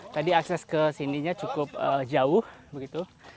tadi akses ke sininya cukup jauh begitu